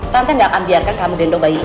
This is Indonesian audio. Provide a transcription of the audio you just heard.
tante gak akan biarkan kamu dengok bayi ini